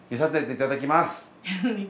いただきます。